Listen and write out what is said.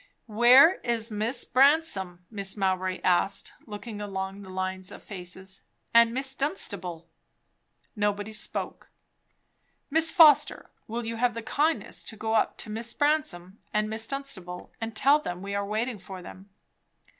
"Where is Miss Bransome?" Mrs. Mowbray asked, looking along the lines of faces. "And Miss Dunstable?" Nobody spoke. "Miss Foster, will you have the kindness to go up to Miss Bransome and Miss Dunstable, and tell them we are waiting for them?"